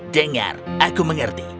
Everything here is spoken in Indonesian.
dengar aku mengerti